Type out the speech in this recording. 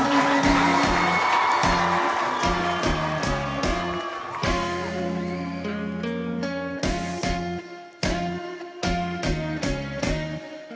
แต่ค่อยลูกภาพมันไม่ได้กลับมารัก